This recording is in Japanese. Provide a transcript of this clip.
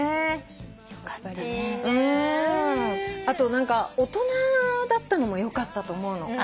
あと何か大人だったのもよかったと思うの。